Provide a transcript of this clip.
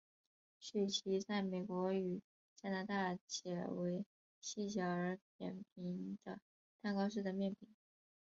曲奇在美国与加拿大解为细小而扁平的蛋糕式的面饼。